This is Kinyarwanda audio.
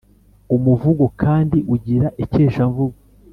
umuvugo kandi ugira ikeshamvugo